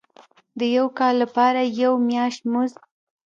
د یو کال کار لپاره یو میاشت مزد.